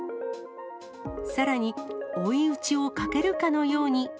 さらに、追い打ちをかけるかのように。